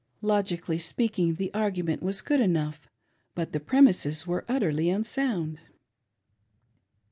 Logically speaking, the argument was good enough, but the premises were utterly unsound.